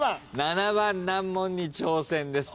７番難問に挑戦です。